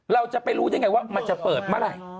เราจะไปรู้ได้ไงว่ามันจะเปิดเมื่อไหร่